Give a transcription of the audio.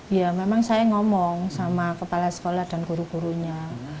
ya memang saya ngomong sama kepala sekolah dan guru gurunya